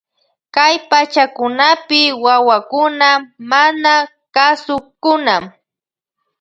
Kay pachakunapi wawakuna manakasukkuna.